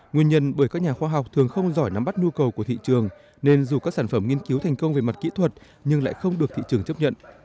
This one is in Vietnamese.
nguyên nhân bởi các nhà khoa học thường không giỏi nắm bắt nhu cầu của thị trường nên dù các sản phẩm nghiên cứu thành công về mặt kỹ thuật nhưng lại không được thị trường chấp nhận